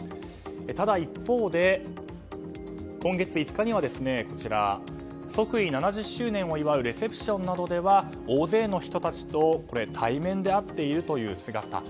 ただ、一方で今月５日には即位７０周年を祝うレセプションなどでは大勢の人たちと対面で会っているという姿。